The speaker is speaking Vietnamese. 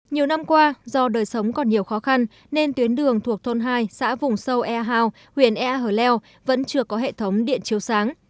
nhiều năm qua do đời sống còn nhiều khó khăn nên tuyến đường thuộc thôn hai xã vùng sâu ea hao huyện ea hờ leo vẫn chưa có hệ thống điện chiếu sáng